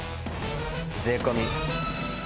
税込。